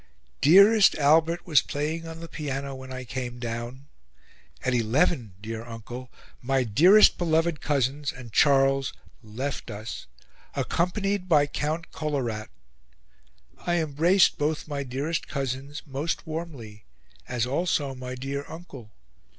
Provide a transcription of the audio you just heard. Dearest Albert was playing on the piano when I came down. At 11 dear Uncle, my DEAREST BELOVED cousins, and Charles, left us, accompanied by Count Kolowrat. I embraced both my dearest cousins most warmly, as also my dear Uncle.